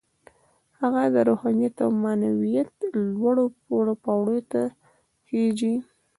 هغه د روحانيت او معنويت لوړو پوړيو ته خېژوي.